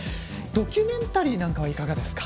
ドキュメンタリーなんかはいかがですか？